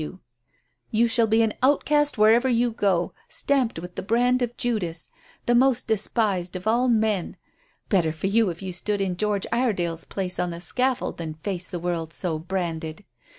You shall be an outcast wherever you go, stamped with the brand of Judas the most despised of all men. Better for you if you stood in George Iredale's place on the scaffold than face the world so branded.